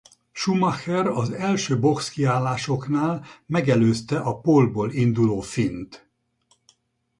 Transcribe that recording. Schumacher az első boxkiállásoknál megelőzte a pole-ból induló finnt.